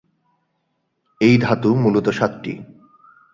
এই ধাতু মূলত সাতটি।